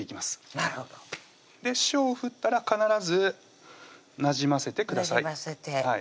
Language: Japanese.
なるほど塩を振ったら必ずなじませてください